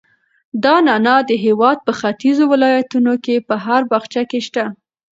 دا نعناع د هېواد په ختیځو ولایتونو کې په هر باغچه کې شته.